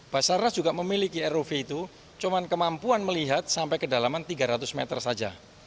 basarnas juga memiliki rov itu cuma kemampuan melihat sampai kedalaman tiga ratus meter saja